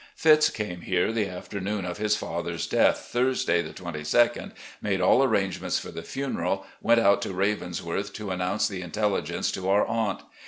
Fitz. came here the afternoon of his father's death, Thurs day, 2 2d, made all arrangements for the funeral, went out to ' Ravensworth ' to announce the intelligence to our aunt.